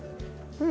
うん！